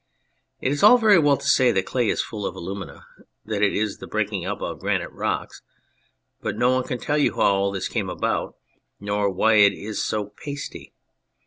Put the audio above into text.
It is all very well to say that clay is full of alumina ; that it is the breaking up of granite rocks, but no one can tell you how all this came about, nor why it is so pasty.